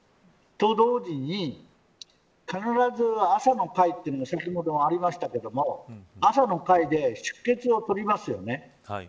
と同時に必ず朝の会、先ほどもありましたが朝の会で出欠を取ります。